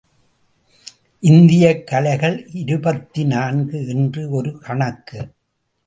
இந்தியக் கலைகள் இருபத்தி நான்கு என்று ஒரு கணக்கு.